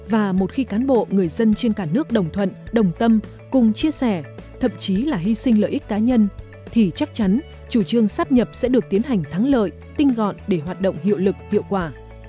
và một khi cán bộ người dân trên cả nước đồng thuận đồng tâm cùng chia sẻ thậm chí là hy sinh lợi ích cá nhân thì chắc chắn chủ trương sắp nhập sẽ được tiến hành thắng lợi tinh gọn để hoạt động hiệu lực hiệu quả